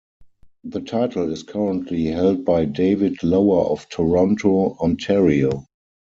The title is currently held by David Lower of Toronto, Ontario.